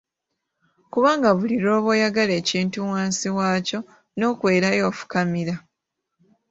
Kubanga buli lw'oba oyagala ekintu wansi waakyo n’okwerayo ofukamira.